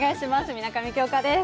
水上京香です。